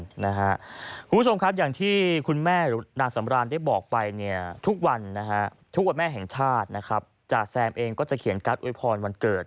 คุณผู้ชมครับอย่างที่คุณแม่นาสำราญได้บอกไปทุกวันแม่แห่งชาติจากแซมเองก็จะเขียนกัสไว้พรวันเกิด